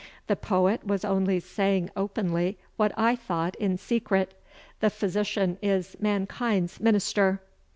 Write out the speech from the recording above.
The poet was only saying openly what I thought in secret. "The physician is mankind's minister."